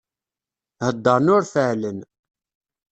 Heddṛen ur faɛlen.